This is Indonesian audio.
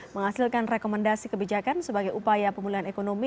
menghasilkan rekomendasi kebijakan sebagai upaya pemulihan ekonomi